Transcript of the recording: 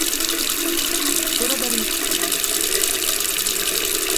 Korabeli írott források sajnos nem maradtak ránk Alexandrosz korából.